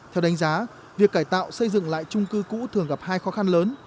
theo đánh giá việc cải tạo xây dựng lại trung cư cũ thường gặp hai khó khăn lớn